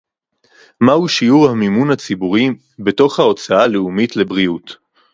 מהו שיעור המימון הציבורי בתוך ההוצאה הלאומית לבריאות